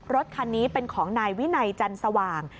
รถคันนี้เป็นของนายวินัยจันสว่าง